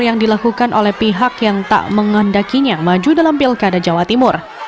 yang dilakukan oleh pihak yang tak mengandakinya maju dalam pilkada jawa timur